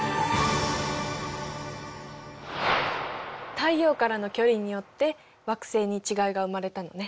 太陽からの距離によって惑星に違いが生まれたのね。